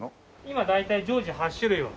今大体常時８種類は。